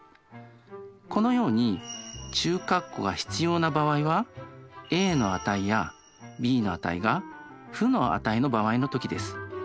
このように中括弧が必要な場合はａの値やｂの値が負の値の場合の時です。